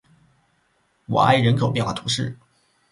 瓦埃人口变化图示